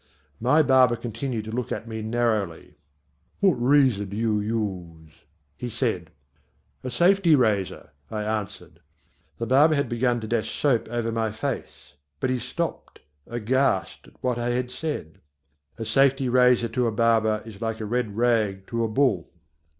My barber continued to look at me narrowly. "What razor do you use?" he said. "A safety razor," I answered. The barber had begun to dash soap over my face; but he stopped aghast at what I had said. A safety razor to a barber is like a red rag to a bull.